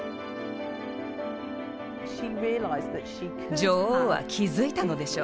女王は気付いたのでしょう。